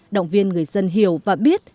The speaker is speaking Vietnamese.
động viên người dân hiểu và biết